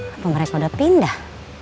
apa mereka udah pindah